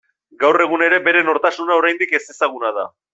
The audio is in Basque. Gaur egun ere bere nortasuna oraindik ezezaguna da.